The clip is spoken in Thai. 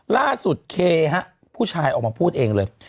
เคฮะผู้ชายออกมาพูดเองเลย